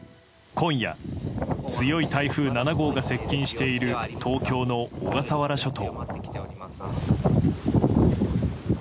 今夜、強い台風７号が接近している東京の小笠原諸島。